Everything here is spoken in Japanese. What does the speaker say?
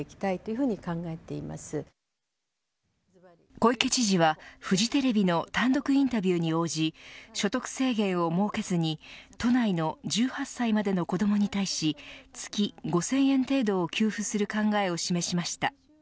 小池知事はフジテレビの単独インタビューに応じ所得制限を設けずに都内の１８歳までの子どもに対し月５０００円程度を給付する考えを示しました。